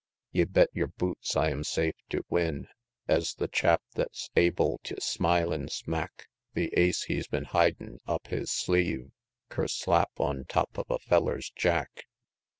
XVIII. Ye bet yer boots I am safe tew win, Es the chap thet's able tew smilin' smack The ace he's been hidin' up his sleeve Kerslap on top of a feller's jack!